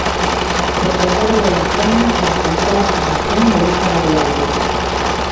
Propietario de la zona que impulsó la fundación de Villa Garibaldi.